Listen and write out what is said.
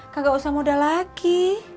kagak usah modal lagi